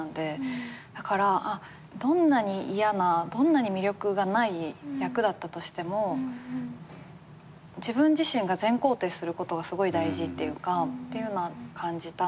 だからどんなに嫌などんなに魅力がない役だったとしても自分自身が全肯定することがすごい大事っていうかっていうのは感じたんで。